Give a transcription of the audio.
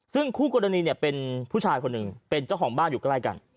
ซึ่งคู่กรณีเนี่ยเป็นผู้ชายคนหนึ่งเป็นเจ้าของบ้านอยู่ใกล้กัน